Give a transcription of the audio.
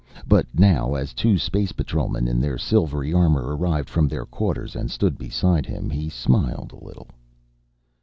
But now, as two Space Patrolmen in their silvery armor, arrived from their quarters and stood beside him, he smiled a little.